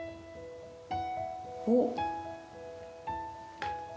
おっ！